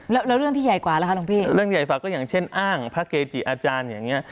แล้วแล้วเรื่องที่ใหญ่กว่าล่ะคะหลวงพี่เรื่องใหญ่ฝากก็อย่างเช่นอ้างพระเกจิอาจารย์อย่างเงี้